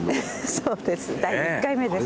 そうです。